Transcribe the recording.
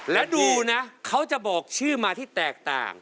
แล้วดูนะเขาจะบอกชื่อมาที่แตกต่าง